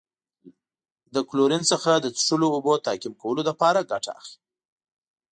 له کلورین څخه د څښلو اوبو تعقیم کولو لپاره ګټه اخلي.